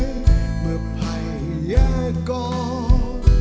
เหมือนไผยกร